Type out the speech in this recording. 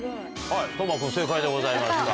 當真君正解でございました。